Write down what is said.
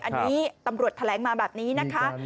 อันนี้ตำรวจแถลงมาแบบนี้นะคะ